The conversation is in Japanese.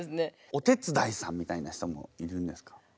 お手伝いさんみたいな人もいるんですか？